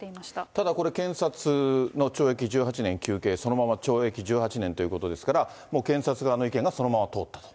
ただこれ、検察の懲役１８年求刑、そのまま懲役１８年ということですから、もう検察側の意見がそのまま通ったと。